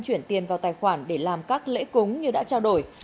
chuyển tiền vào tài khoản để làm các lễ cúng như đã trao đổi